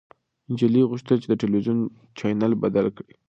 نجلۍ غوښتل چې د تلويزيون چاینل بدل کړي.